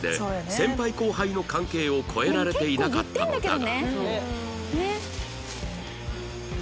先輩後輩の関係を超えられていなかったのだが